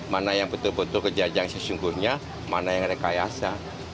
mana yang betul betul kejajang sesungguhnya mana yang rekayasa